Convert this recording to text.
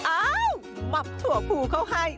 อ้าวหมับถั่วภูเขาให้